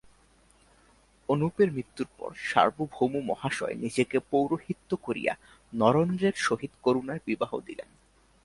অনুপের মৃত্যুর পর সার্বভৌমমহাশয় নিজে পৌরোহিত্য করিয়া নরেন্দ্রের সহিত করুণার বিবাহ দিলেন।